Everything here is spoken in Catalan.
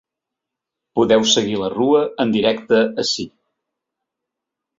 Podeu seguir la rua en directe ací.